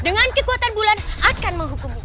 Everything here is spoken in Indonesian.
dengan kekuatan bulan akan menghukummu